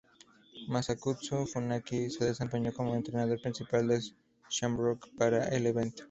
Masakatsu Funaki se desempeñó como entrenador principal de Shamrock para el evento.